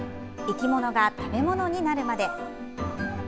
生きものが食べものになるまで」。